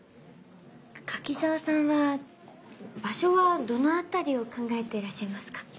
柿沢さんは場所はどの辺りを考えてらっしゃいますか？